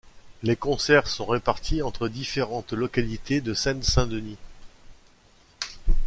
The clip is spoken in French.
Les concerts sont répartis entre différentes localités de Seine-Saint-Denis.